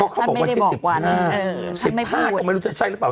เขาบอกวันที่๑๕๑๕ก็ไม่รู้จะใช่หรือเปล่า